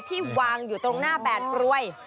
ที่วางอยู่ตรงหน้าแบดกรวย